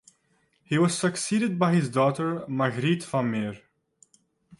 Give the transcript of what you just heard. He was succeeded by his daughter Margriet van Meer.